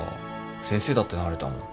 先生だってなれたもん。